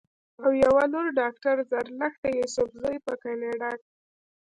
او يوه لورډاکټره زرلښته يوسفزۍ پۀ کنېډا